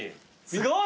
すごい！